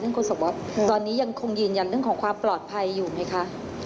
อย่างคุณสมบัติตอนนี้ยังคงยืนยันเรื่องของความปลอดภัยอยู่ไหมคะ